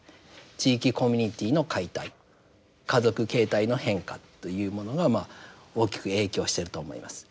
地域コミュニティーの解体家族形態の変化というものが大きく影響していると思います。